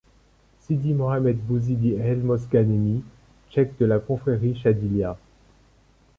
Sidi Mohamed Bouzidi El Mostghanemi, Cheikh de la confrérie Chadilia.